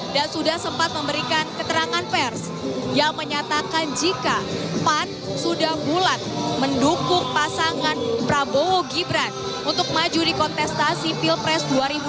dan sudah sempat memberikan keterangan pers yang menyatakan jika pan sudah bulat mendukung pasangan prabowo gibran untuk maju di kontestasi pilpres dua ribu dua puluh empat